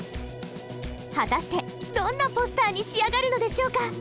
果たしてどんなポスターに仕上がるのでしょうか？